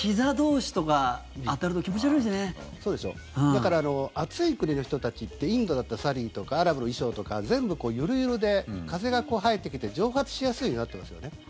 だから暑い国の人たちってインドだったらサリーとかアラブの衣装とか全部、ゆるゆるで風が入ってきて蒸発しやすいようになっていますよね。